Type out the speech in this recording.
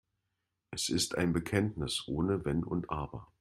Es ist ein Bekenntnis ohne Wenn und Aber.